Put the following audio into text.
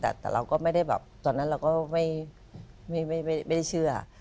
แต่เราก็ไม่ได้แบบตอนนั้นเราก็ไม่ได้เชื่อ